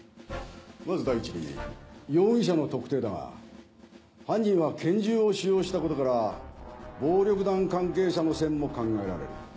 まず第一に容疑者の特定だが犯人は拳銃を使用したことから暴力団関係者の線も考えられる。